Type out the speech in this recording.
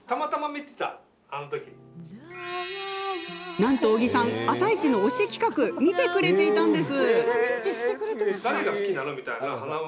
なんと、小木さん「あさイチ」の推し企画見てくれていたんです。